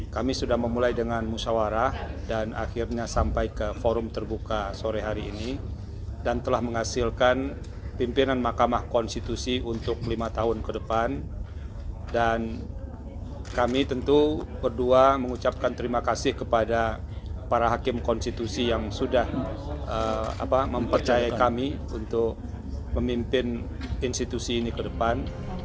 kami berharap bahwa para hakim konstitusi yang sudah mempercaya kami untuk memimpin institusi ini ke depan